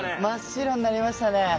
真っ白になりましたね。